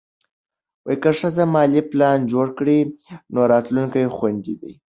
که ښځه مالي پلان جوړ کړي، نو راتلونکی خوندي دی.